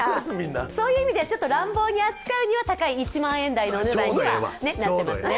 そういう意味では、ちょっと乱暴に扱うには高い１万円台のお値段になっていますね